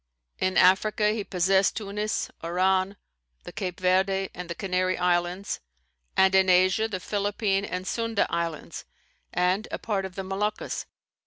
In Africa he possessed Tunis, Oran, the Cape Verde and the Canary Islands; and in Asia, the Philippine and Sunda Islands and a part of the Moluccas.